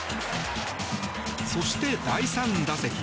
そして、第３打席。